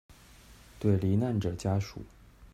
對罹難者家屬